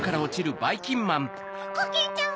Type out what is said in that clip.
コキンちゃん